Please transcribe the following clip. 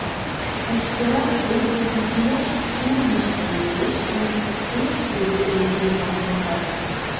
Куштыра шудо икияш шурнышто лиеш гын, пеш кугу эҥгекым конда.